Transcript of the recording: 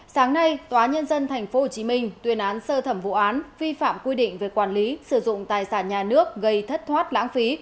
sáng nay tòa nhân dân tp hcm tuyên án sơ thẩm vụ án vi phạm quy định về quản lý sử dụng tài sản nhà nước gây thất thoát lãng phí